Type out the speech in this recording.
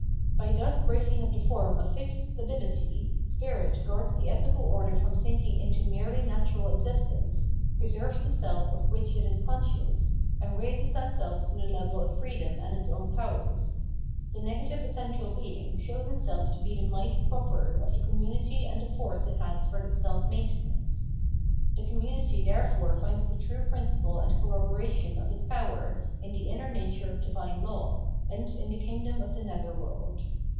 By thus breaking up the form of fixed stability, spirit guards the ethical order from sinking into merely natural existence, preserves the self of which it is conscious, and raises that self to the level of freedom and its own powers. The negative essential being shows itself to be the might proper of the community and the force it has for self maintenance. The commumty therefore finds the true principle and corroboration of its power in the inner nature of divine law, and in the kingdom of the nether world.